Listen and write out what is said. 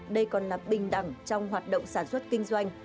đây còn là bình đẳng trong hoạt động sản xuất kinh doanh